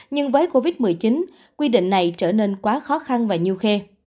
nhưng với covid một mươi chín quy định này trở nên quá khó khăn và nhiêu khe